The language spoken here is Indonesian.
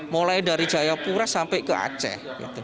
mulai dari jayapura sampai ke aceh